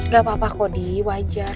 gak apa apa kodi wajar